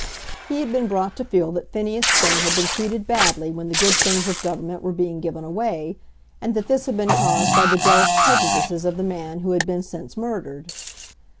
He had been brought to feel that Phineas Finn had been treated badly when the good things of Government were being given away, and that this had been caused by the jealous prejudices of the man who had been since murdered.